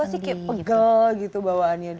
apa sih kayak pegel gitu bawaannya dok